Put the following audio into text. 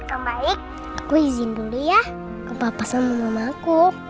yang baik aku izin dulu ya ke bapak sama mamaku